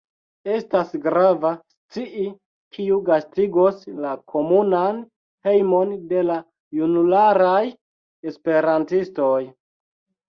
Estas grava scii kiu gastigos la komunan hejmon de la junularaj esperantistoj